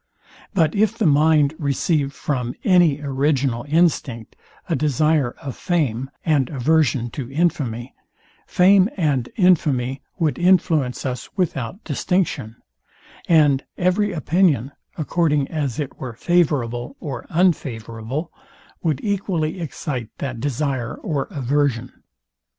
But if the mind received from any original instinct a desire of fame and aversion to infamy, fame and infamy would influence us without distinction; and every opinion, according as it were favourable or unfavourable, would equally excite that desire or aversion.